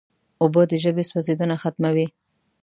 اوبه د ژبې سوځیدنه ختموي.